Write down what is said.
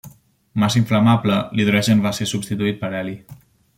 Massa inflamable, l'hidrogen va ser substituït per heli.